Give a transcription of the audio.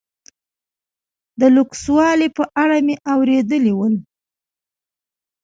د لوکسوالي په اړه مې اورېدلي ول.